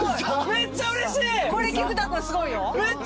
めっちゃうれしい！